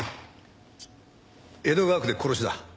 江戸川区で殺しだ。